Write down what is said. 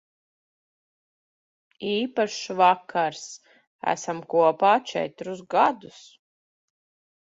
Īpašs vakars. Esam kopā četrus gadus.